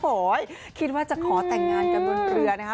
โอ้โหคิดว่าจะขอแต่งงานกันบนเรือนะคะ